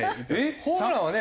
ホームランはね